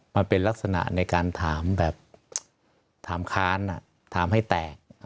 มันเป็นลักษณะในการถามแบบถามค้านถามให้แตก